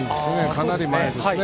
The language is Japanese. かなり前ですね。